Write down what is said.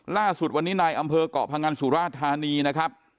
ล่าสุดวันนี้นายอำเภอกเกาะพงันสุราชธานีนะครับ